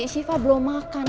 syifa belum makan